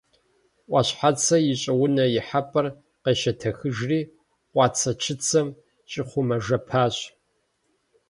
Ӏуащхьацэ и щӀыунэ ихьэпӀэр къещэтэхыжри, къуацэчыцэм щӀихъумэжыпащ.